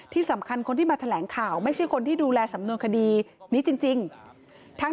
ที่สำคัญคนที่มาแถลงข่าวไม่ใช่คนที่ดูแลสำนวนคดีนี้จริงทั้ง